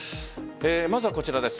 まずはこちらです。